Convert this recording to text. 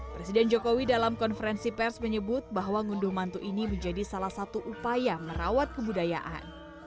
presiden jokowi dalam konferensi pers menyebut bahwa ngunduh mantu ini menjadi salah satu upaya merawat kebudayaan